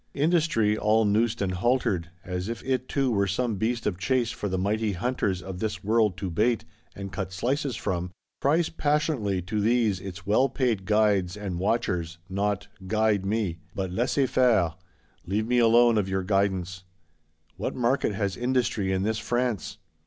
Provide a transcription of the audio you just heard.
Industry, all noosed and haltered, as if it too were some beast of chase for the mighty hunters of this world to bait, and cut slices from,—cries passionately to these its well paid guides and watchers, not, Guide me; but, Laissez faire, Leave me alone of your guidance! What market has Industry in this France?